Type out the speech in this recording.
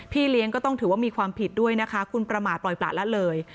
เลี้ยงก็ต้องถือว่ามีความผิดด้วยนะคะคุณประมาทปล่อยประละเลย